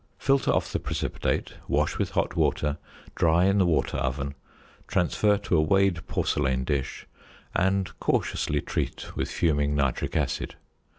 Filter off the precipitate, wash with hot water, dry in the water oven, transfer to a weighed porcelain dish, and cautiously treat with fuming nitric acid.